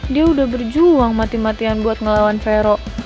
dia udah berjuang mati matian buat ngelawan vero